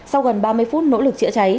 sau gần ba mươi phút nỗ lực chữa cháy